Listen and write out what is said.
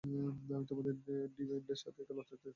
আমি তোমাকে ডিভিয়েন্টদের সাথে একা লড়তে দিতে পারি না।